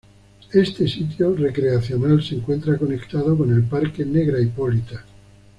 Este "sitio recreacional" se encuentra conectado con el parque Negra Hipólita.